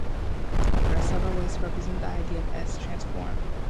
There are several ways to represent the idea of the "S" transform.